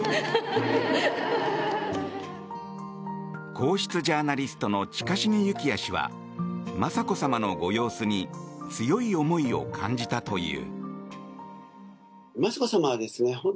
皇室ジャーナリストの近重幸哉氏は雅子さまのご様子に強い思いを感じたという。